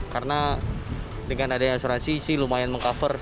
karena dengan adanya asuransi sih lumayan meng cover